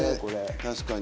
確かに。